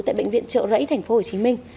tại bệnh viện trợ rẫy tp hcm